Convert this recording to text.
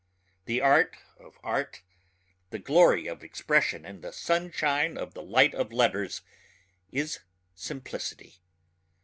The art of art, the glory of expression and the sunshine of the light of letters is simplicity.